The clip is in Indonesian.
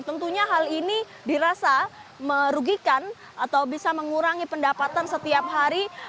tentunya hal ini dirasa merugikan atau bisa mengurangi pendapatan setiap hari